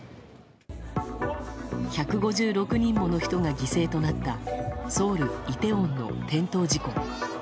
１５６人もの人が犠牲となったソウル・イテウォンの転倒事故。